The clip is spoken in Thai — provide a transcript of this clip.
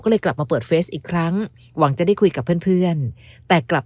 ก็เลยกลับมาเปิดเฟสอีกครั้งหวังจะได้คุยกับเพื่อนแต่กลับ